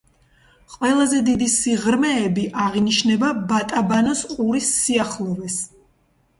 ყველაზე დიდი სიღრმეები აღინიშნება ბატაბანოს ყურის სიახლოვეს.